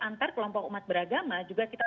antar kelompok umat beragama juga kita